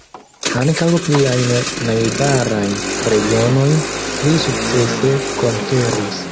Ankaŭ pliajn najbarajn regionojn li sukcese konkeris.